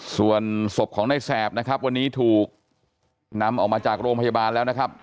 ส่วนศพของในแสบนะครับวันนี้ถูกนำออกมาจากโรงพยาบาลแล้วนะครับ